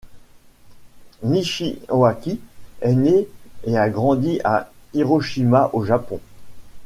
Nishiwaki est née et a grandi à Hiroshima au Japon.